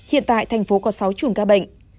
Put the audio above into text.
hiện tại thành phố có sáu trùn ca bệnh